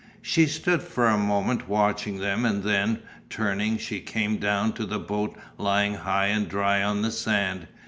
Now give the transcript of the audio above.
She stood for a moment watching them and then, turning, she came down to the boat lying high and dry on the sand.